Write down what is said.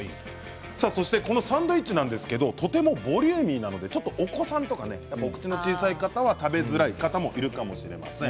そして、このサンドイッチなんですけれどもとってもボリューミーなのでお子さんとかお口の小さい方は食べづらい方もいるかもしれません。